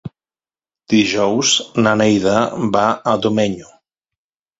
Dijous na Neida va a Domenyo.